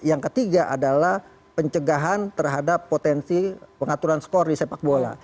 yang ketiga adalah pencegahan terhadap potensi pengaturan skor di sepak bola